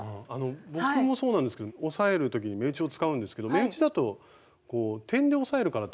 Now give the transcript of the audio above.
僕もそうなんですけど押さえる時に目打ちを使うんですけど目打ちだと点で押さえるからってことなんですか？